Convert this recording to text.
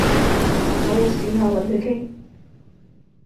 我會試下搵佢傾